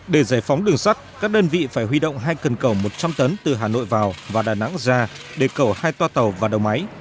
để giải phóng đường sắt các đơn vị phải huy động hai cần cầu một trăm linh tấn từ hà nội vào và đà nẵng ra để cầu hai toa tàu và đầu máy